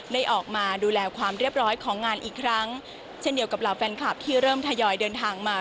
ได้ออกมาดูแลความเรียบร้อยของงานอีกครั้งเช่นเดียวกับเหล่าแฟนคลับที่เริ่มทยอยเดินทางมา